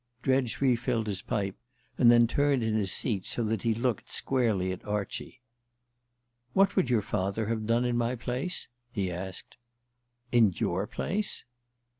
Dredge refilled his pipe, and then turned in his seat so that he looked squarely at Archie. "What would your father have done in my place?" he asked. "In your place